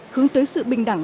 hướng tới sự bình đẳng